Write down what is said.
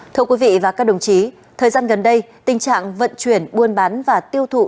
thưa quý vị và các đồng chí thời gian gần đây tình trạng vận chuyển buôn bán và tiêu thụ